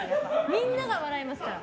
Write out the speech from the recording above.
みんなが笑いますから。